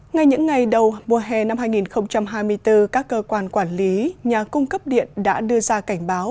ngay những ngày đầu mùa hè năm hai nghìn hai mươi bốn các cơ quan quản lý nhà cung cấp điện đã đưa ra cảnh báo